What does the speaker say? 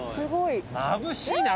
まぶしいなあ